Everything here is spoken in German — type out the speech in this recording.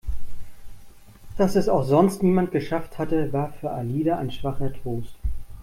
Dass es auch sonst niemand geschafft hatte, war für Alida ein schwacher Trost.